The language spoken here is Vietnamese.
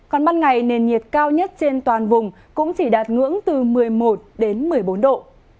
còn ban ngày nền nhiệt cao nhất trên toàn vùng cũng chỉ đạt ngưỡng từ một mươi một đến một mươi bốn độ